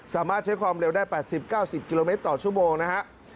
สามารถใช้ความเร็วได้๘๐๙๐กิโลเมตรต่อชั่วโมงนะฮะ